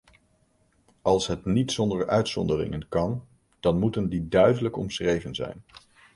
Als het niet zonder uitzonderingen kan, dan moeten die duidelijk omschreven zijn.